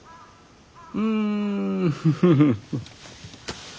うんフフフフ。